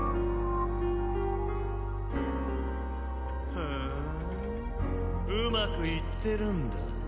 ふーんうまくいってるんだ。